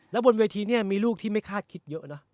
แล้วบนเวทีนี้มีลูกที่ไม่คาดคิดเยอะนะ